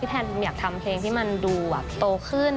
แพนอยากทำเพลงที่มันดูแบบโตขึ้น